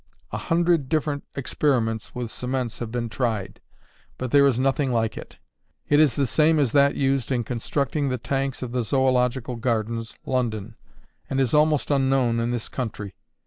A hundred different experiments with cements have been tried, but there is nothing like it. It is the same as that used in constructing the tanks of the Zoological Gardens, London, and is almost unknown in this country.